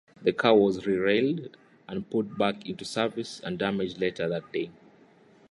The car was rerailed and put back into service undamaged later that day.